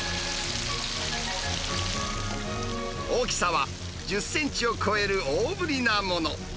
大きさは１０センチを超える大ぶりなもの。